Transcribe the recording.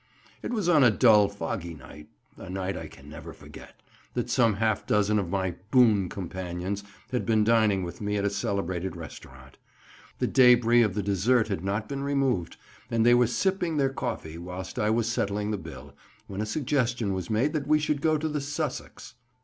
"It was on a dull foggy night—a night I can never forget—that some half dozen of my boon companions had been dining with me at a celebrated restaurant. The débris of the dessert had not been removed, and they were sipping their coffee whilst I was settling the bill, when a suggestion was made that we should go to the 'Sussex.